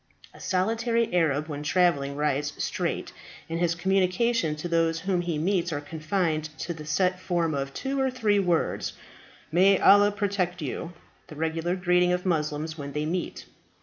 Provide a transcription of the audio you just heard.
A solitary Arab when travelling rides straight, and his communications to those whom he meets are confined to the set form of two or three words, "May Allah protect you!" the regular greeting of Moslems when they meet.